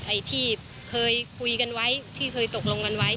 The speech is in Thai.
ไอ้ที่เคยคุยกันไว้ที่เคยตกลงกันไว้